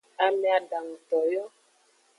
Ame adanguto yo.